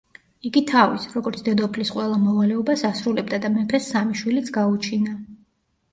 იგი თავის, როგორც დედოფლის ყველა მოვალეობას ასრულებდა და მეფეს სამი შვილიც გაუჩინა.